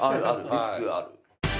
リスクある。